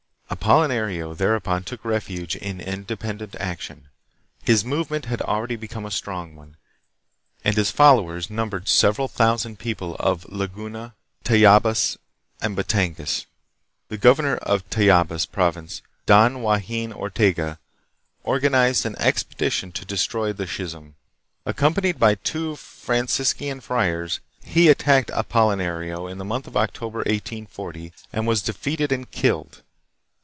Apolinario thereupon took refuge in independent action. His movement had already become a strong one, and his followers numbered several thousand people of Laguna, Tayabas, and Batangas. The governor of Tayabas province, Don Joaquin Ortega, organized an expedition to destroy the schism. Accom panied by two Franciscan friars, he attacked Apolinario in the month of October, 1840, and was defeated and killed.